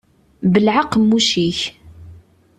Belleɛ aqemmuc-ik.